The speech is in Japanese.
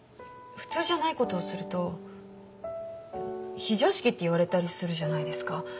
普通じゃないことをすると非常識っていわれたりするじゃないですか。